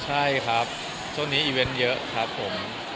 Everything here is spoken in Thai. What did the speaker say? ใช่ครับช่วงนี้อีเวนต์เยอะครับผม